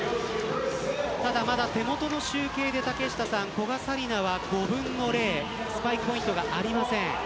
手元の集計で古賀紗理那は５分の０スパイクポイントがありません。